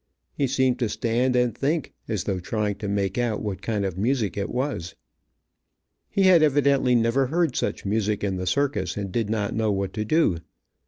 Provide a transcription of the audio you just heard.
He seemed to stand and think, as though trying to make out what kind of music it was. He had evidently never heard such music in the circus and did not know what to do.